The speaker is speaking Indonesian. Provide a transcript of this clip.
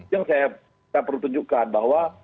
yang saya perlu tunjukkan bahwa